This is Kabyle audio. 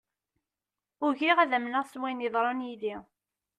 Ugiɣ ad amneɣ s wayen yeḍran yid-i.